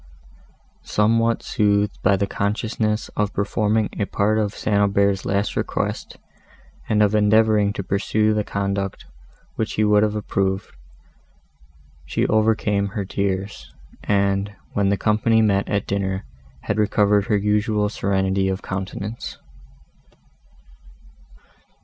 Somewhat soothed by the consciousness of performing a part of St. Aubert's last request, and of endeavouring to pursue the conduct which he would have approved, she overcame her tears, and, when the company met at dinner, had recovered her usual serenity of countenance.